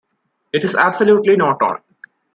It is absolutely not on.